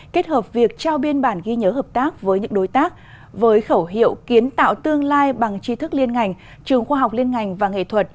kết hợp việc trao biên bản ghi nhớ hợp tác với những đối tác với khẩu hiệu kiến tạo tương lai bằng chi thức liên ngành trường khoa học liên ngành và nghệ thuật